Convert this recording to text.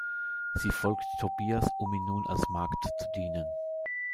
Sie folgt Tobias, um ihm nun als Magd zu dienen.